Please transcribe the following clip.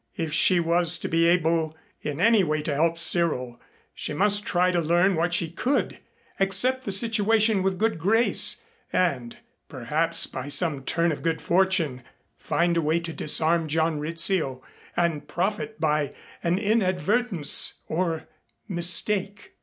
If she was to be able in any way to help Cyril, she must try to learn what she could, accept the situation with good grace and perhaps by some turn of good fortune find a way to disarm John Rizzio and profit by an inadvertence or mistake.